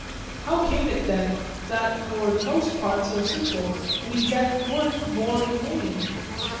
How came it then that for the most part so simple we yet weren't more inane?